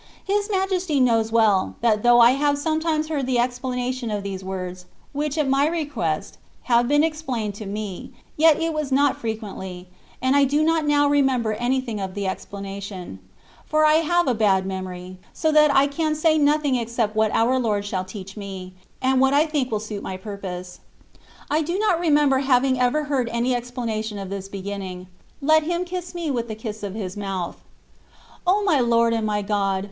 His Majesty knows well, that though I have sometimes heard the explanation of these words, which, at my request, have been ex plained to me, yet it was not frequently, and I do not now remember anything of the explana tion ; for I have a bad memory, so that I can say nothing except what our Lord shall teach me,* and what I think will suit my purpose. I do not remember having ever heard any explanation of this beginning, " Let him kiss me with the kiss of his mouth." O my Lord and my God